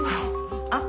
あっ。